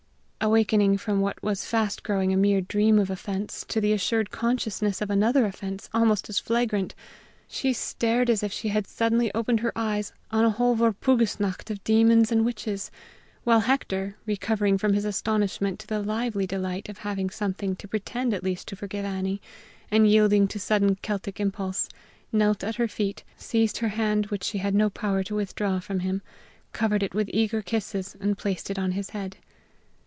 Awakening from what was fast growing a mere dream of offense to the assured consciousness of another offense almost as flagrant, she stared as if she had suddenly opened her eyes on a whole Walpurgisnacht of demons and witches, while Hector, recovering from his astonishment to the lively delight of having something to pretend at least to forgive Annie, and yielding to sudden Celtic impulse, knelt at her feet, seized her hand, which she had no power to withdraw from him, covered it with eager kisses and placed it on his head.